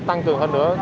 tăng cường hơn nữa